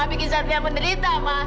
bikin satria menderita ma